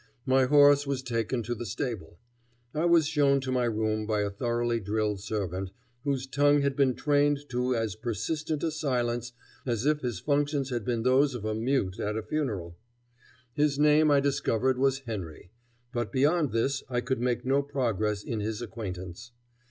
My horse was taken to the stable. I was shown to my room by a thoroughly drilled servant, whose tongue had been trained to as persistent a silence as if his functions had been those of a mute at a funeral. His name I discovered was Henry, but beyond this I could make no progress in his acquaintance.